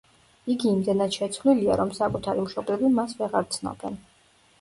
იგი იმდენად შეცვლილია, რომ საკუთარი მშობლები მას ვეღარ ცნობენ.